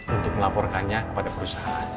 untuk melaporkannya kepada perusahaan